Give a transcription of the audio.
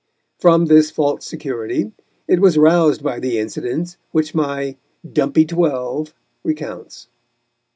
From this false security it was roused by the incident which my "dumpy twelve" recounts.